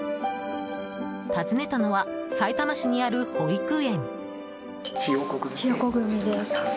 訪ねたのはさいたま市にある保育園。